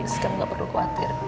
sekarang enggak perlu khawatir